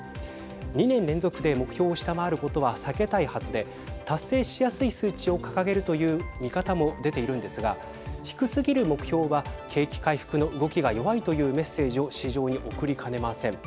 ２年連続で目標を下回ることは避けたいはずで達成しやすい数値を掲げるという見方も出ているんですが低すぎる目標は景気回復の動きが弱いというメッセージを市場に送りかねません。